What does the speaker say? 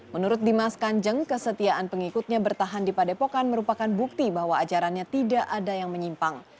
menurut dimas kanjeng kesetiaan pengikutnya bertahan di padepokan merupakan bukti bahwa ajarannya tidak ada yang menyimpang